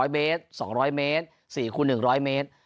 ๐เมตร๒๐๐เมตร๔คูณ๑๐๐เมตร